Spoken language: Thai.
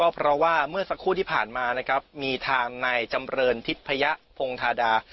เพราะว่าเมื่อสักครู่ที่ผ่านมานะครับมีทางนายจำเรินทิพยะพงธาดา